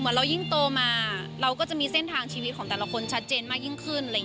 เรายิ่งโตมาเราก็จะมีเส้นทางชีวิตของแต่ละคนชัดเจนมากยิ่งขึ้น